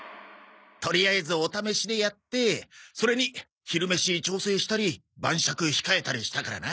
とりあえずお試しでやってそれに昼飯調整したり晩酌控えたりしたからな。